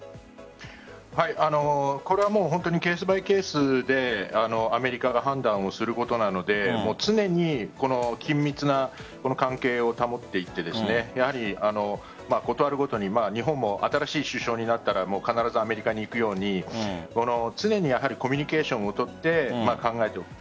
これはケースバイケースでアメリカが判断をすることなので常にこの緊密な関係を保っていってやはりことあるごとに日本も新しい首相になったら必ずアメリカに行くように常にコミュニケーションを取って考えておく。